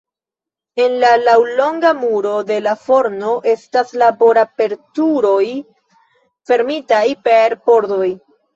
En la laŭlonga muro de la forno estas labor-aperturoj fermitaj per pordoj.